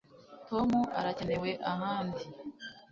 Tom arakenewe ahandi